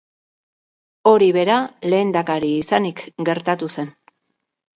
Hori bera lehendakari izanik gertatu zen.